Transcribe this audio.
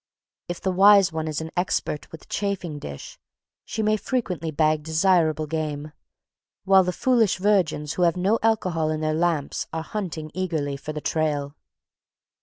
If the wise one is an expert with the chafing dish, she may frequently bag desirable game, while the foolish virgins who have no alcohol in their lamps are hunting eagerly for the trail.